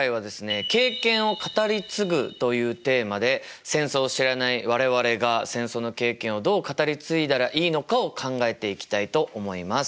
「経験を語り継ぐ」というテーマで戦争を知らない我々が戦争の経験をどう語り継いだらいいのかを考えていきたいと思います。